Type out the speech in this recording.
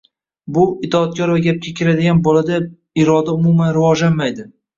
Bu, itoatkor va gapga kiradigan bolada iroda umuman rivojlanmaydi